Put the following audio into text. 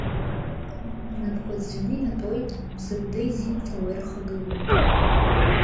Рнапқәа ӡәӡәаны инатәоит, Мсыгәдеи Зимфеи уа ирхагылоуп.